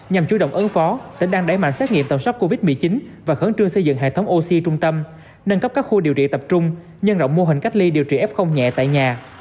nhằm chú động ứng phó tỉnh đang đẩy mạnh xét nghiệm tầm soát covid một mươi chín và khẩn trương xây dựng hệ thống oxy trung tâm nâng cấp các khu điều trị tập trung nhân rộng mô hình cách ly điều trị f nhẹ tại nhà